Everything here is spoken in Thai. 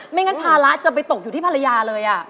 งั้นภาระจะไปตกอยู่ที่ภรรยาเลย